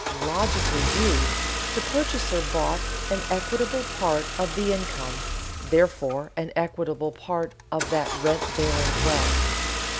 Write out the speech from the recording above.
Logically viewed, the purchaser bought an equitable part of the income, therefore an equitable part of that rent bearing wealth.